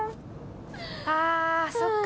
ああそっか。